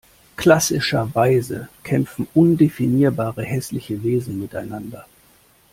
Klassischerweise kämpfen undefinierbare hässliche Wesen miteinander.